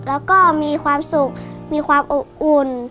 แล้วก็มีความสุขมีความอบอุ่น